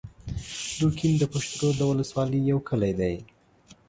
دوکین د پشترود د ولسوالۍ یو کلی دی